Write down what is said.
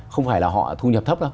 không phải là họ thu nhập thấp đâu